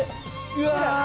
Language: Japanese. うわ！